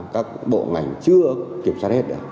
các bộ ngành chưa kiểm soát hết được